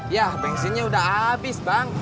ya bensinnya udah habis bang